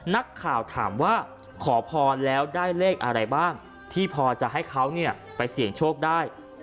นักข่าวถามว่าขอพรแล้วได้เลขอะไรบ้างที่พอจะให้เขาไปเสี่ยงโชคได้